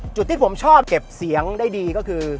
จุดที่ผมชอบเก็บเสียงได้ดีก็คือ